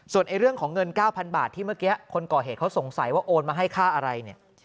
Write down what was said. ส่วนเรื่องของเงิน๙๐๐บาทที่เมื่อกี้คนก่อเหตุเขาสงสัยว่าโอนมาให้ค่าอะไรเนี่ย